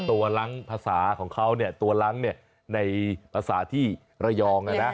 ตัวหลังภาษาของเขาตัวหลังในภาษาที่ระยอง